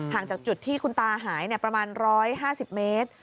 จากจุดที่คุณตาหายประมาณ๑๕๐เมตร